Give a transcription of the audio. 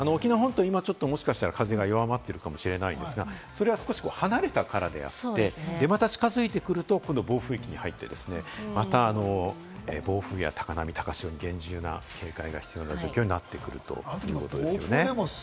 今、もしかしたら沖縄本島はちょっと風が弱まってるかもしれませんけれども、それは少し離れたからであって、また近づいてくると暴風域に入って、また暴風や高波・高潮、厳重な警戒が必要な状況になってくるということですね。